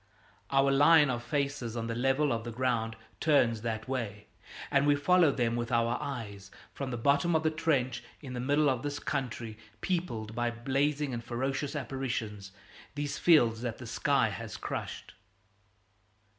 Our line of faces on the level of the ground turns that way, and we follow them with our eyes from the bottom of the trench in the middle of this country peopled by blazing and ferocious apparitions, these fields that the sky has crushed.